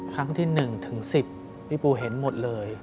ครั้งที่๑ถึง๑๐พี่ปูเห็นหมดเลย